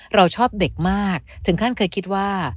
เราชอบเด็กมากถึงขั้นเคยคิดว่า